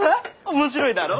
面白いだろ？